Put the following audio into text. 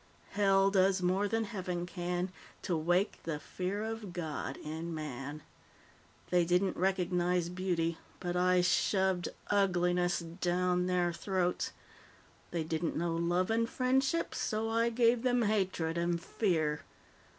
'Hell does more than Heaven can to wake the fear of God in man.' They didn't recognize beauty, but I shoved ugliness down their throats; they didn't know love and friendship, so I gave them hatred and fear.